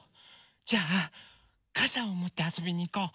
じゃあかさをもってあそびにいこう。